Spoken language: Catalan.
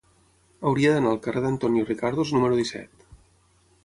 Hauria d'anar al carrer d'Antonio Ricardos número disset.